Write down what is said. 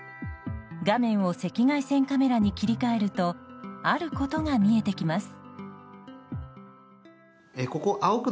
画面を赤外線カメラに切り替えるとあることが見えてきます。